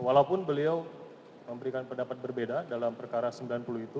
walaupun beliau memberikan pendapat berbeda dalam perkara sembilan puluh itu